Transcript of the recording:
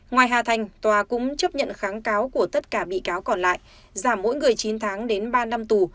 ngoài hà thành tòa cũng chấp nhận kháng cáo của tất cả bị cáo còn lại giảm mỗi người chín tháng đến ba năm tù